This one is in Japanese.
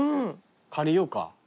借りようか。